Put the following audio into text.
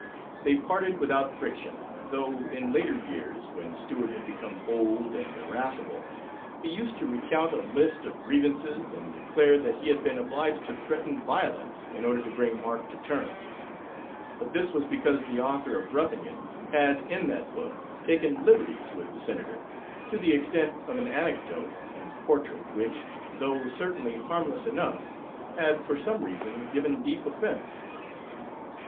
They parted without friction, though in later years, when Stewart had become old and irascible, he used to recount a list of grievances and declare that he had been obliged to threaten violence in order to bring Mark to terms; but this was because the author of Roughing It had in that book taken liberties with the Senator, to the extent of an anecdote and portrait which, though certainly harmless enough, had for some reason given deep offense.